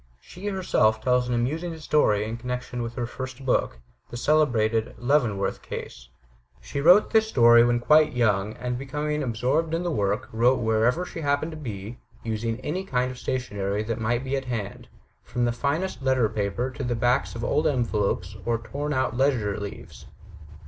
She, herself, tells an amusing story in connection with her first book, the celebrated "Leavenworth Case." She wrote this story when quite young; and, becoming absorbed in the work, wrote wherever she happened to be, using any kind of stationery that might be at hand, from finest letter paper to backs of old envelopes or torn out ledger leaves.